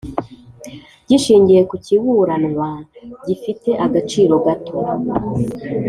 Gishingiye ku kiburanwa gifite agaciro gato